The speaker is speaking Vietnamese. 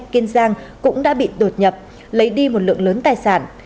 kiên giang cũng đã bị đột nhập lấy đi một lượng lớn tài sản